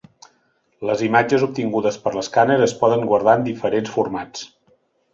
Les imatges obtingudes per l'escàner es poden guardar en diferents formats.